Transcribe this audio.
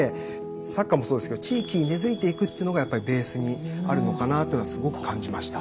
サッカーもそうですけど地域に根づいていくっていうのがやっぱりベースにあるのかなっていうのはすごく感じました。